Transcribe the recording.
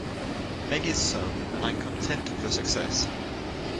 Meg is so, and I am content with her success.